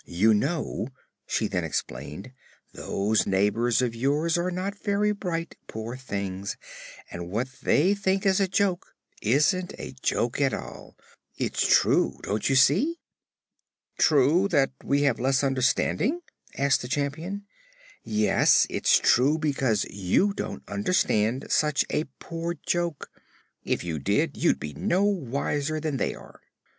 "You know," she then explained, "those neighbors of yours are not very bright, poor things, and what they think is a joke isn't a joke at all it's true, don't you see?" "True that we have less understanding?" asked the Champion. "Yes; it's true because you don't understand such a poor joke; if you did, you'd be no wiser than they are."